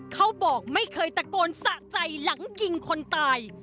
เขาบอกไม่เคยตะโกนสะใจหลังยิงคนตาย